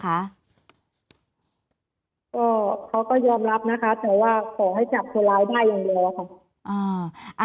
เขาก็ยอมรับนะคะแต่ว่าขอให้จับคนร้ายได้อย่างเดียวอะค่ะ